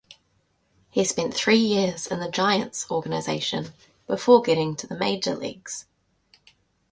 He spent three years in the Giants' organization before getting to the major leagues.